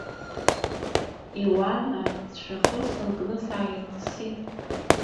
Иауана сыжәҩахыр санкны сааирҵысит.